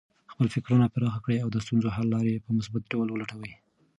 خپل فکرونه پراخه کړه او د ستونزو حل لارې په مثبت ډول ولټوه.